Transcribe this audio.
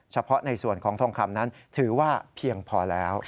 เฉพาะในส่วนของทองคำนั้นถือว่าเพียงพอแล้ว